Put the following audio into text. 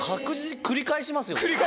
繰り返します。